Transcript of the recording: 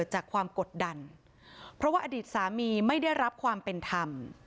จากความกดดันเพราะว่าอดีตสามีไม่ได้รับความเป็นธรรม